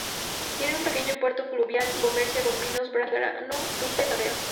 Tiene un pequeño puerto fluvial, y comercia con vino, brandy, grano, fruta y madera.